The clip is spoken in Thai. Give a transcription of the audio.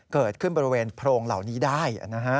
เกิดขึ้นบริเวณโพรงเหล่านี้ได้